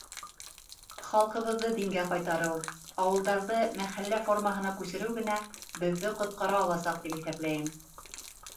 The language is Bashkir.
Халҡыбыҙҙы дингә ҡайтарыу, ауылдарҙы мәхәллә формаһына күсереү генә беҙҙе ҡотҡара аласаҡ, тип иҫәпләйем.